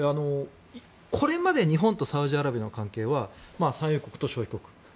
これまで日本とサウジアラビアの関係は産油国と消費国。